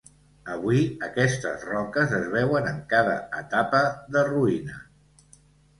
Avui aquestes roques es veuen en cada etapa de ruïna.